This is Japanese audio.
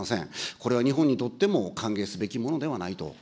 これは日本にとっても歓迎すべきものではないと。